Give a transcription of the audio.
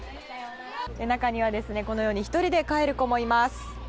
中には、このように１人で帰る子もいます。